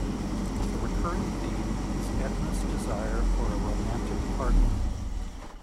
A recurring theme is Edna's desire for a romantic partner.